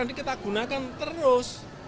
karena ini kita gunakan terus